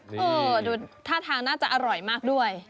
เออดูท่าทางน่าจะอร่อยมากด้วย